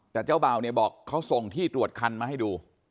แต่เจ้าบ่าวเนี่ยบอกเขาส่งที่ตรวจคันมาให้ดู